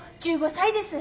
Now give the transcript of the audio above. １５歳です。